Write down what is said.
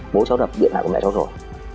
bố cháu đập điện hại của mẹ cháu rồi